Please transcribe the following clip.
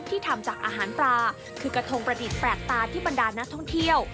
ทำจากอาหารปลาคือกระทงประดิษฐ์แปลกตาที่บรรดานักท่องเที่ยว